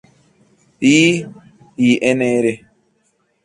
I y Nr.